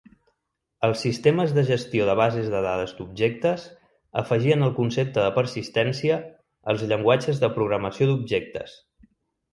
Els sistemes de gestió de bases de dades d'objectes afegien el concepte de persistència als llenguatges de programació d'objectes.